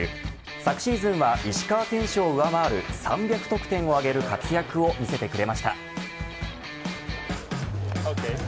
昨シーズンは石川選手を上回る３００得点を挙げる活躍を見せてくれました。